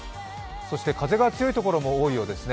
そして風が強い所も多いようですね。